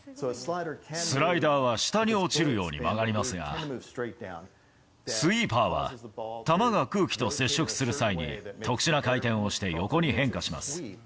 スライダーは下に落ちるように曲がりますが、スイーパーは、球が空気と接触する際に、特殊な回転をして横に変化します。